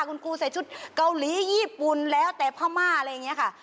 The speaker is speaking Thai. คุณครูใส่ชุดเกาหลีญี่ปุ่นแล้วแต่พม่าอะไรอย่างนี้ค่ะ